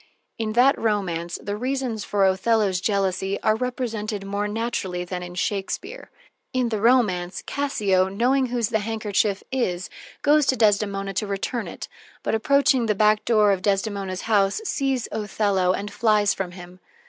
In that romance the reasons for Othello's jealousy are represented more naturally than in Shakespeare. In the romance, Cassio, knowing whose the handkerchief is, goes to Desdemona to return it, but, approaching the back door of Desdemona's house, sees Othello and flies from him.